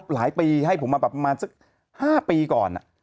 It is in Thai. หลายปีให้ผมมาประมาณสัก๕ปีก่อน